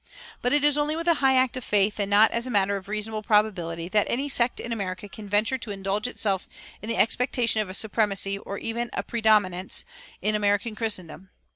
But it is only with a high act of faith, and not as a matter of reasonable probability, that any sect in America can venture to indulge itself in the expectation of a supremacy, or even a predominance, in American Christendom.